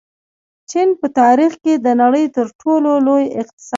چین په تاریخ کې د نړۍ تر ټولو لوی اقتصاد درلود.